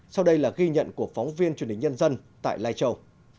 sau đây là ghi nhận của phóng viên truyền hình nhân dân tại lai châu